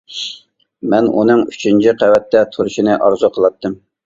مەن ئۇنىڭ ئۈچىنچى قەۋەتتە تۇرۇشنى ئارزۇ قىلاتتىم.